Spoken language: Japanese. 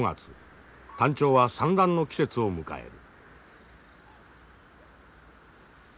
タンチョウは産卵の季節を迎える。